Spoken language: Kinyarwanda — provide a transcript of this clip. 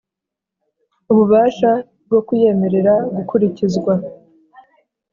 ububasha bwo kuyemerera gukurikizwa